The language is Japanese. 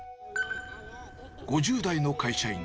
５０代の会社員。